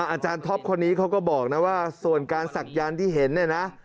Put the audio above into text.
อาจารย์ท็อปคนนี้เขาก็บอกนะว่าส่วนการศักยันต์ที่เห็นเนี่ยนะ